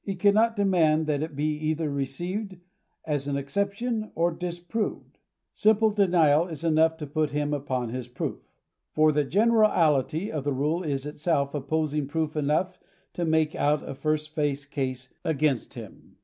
He cannot demand that it be either received as an exception or disproved. Simple denial is enough to put him upon his proof, for the generality of the rule is itself opposing proof enough to make out a first face case against him.